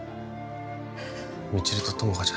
未知留と友果ちゃん